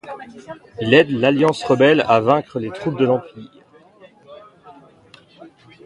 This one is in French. Il aide l'Alliance rebelle à vaincre les troupes de l'Empire.